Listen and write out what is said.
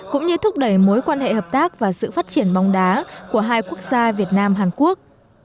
cũng như thúc đẩy mối quan hệ hợp tác và sự phát triển bóng đá của hai quốc gia việt nam hàn quốc